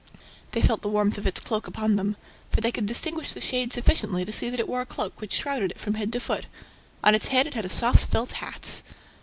They felt the warmth of its cloak upon them. For they could distinguish the shade sufficiently to see that it wore a cloak which shrouded it from head to foot. On its head it had a soft felt hat